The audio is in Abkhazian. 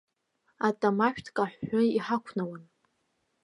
Атамашәҭ каҳәҳәы иҳақәнауан!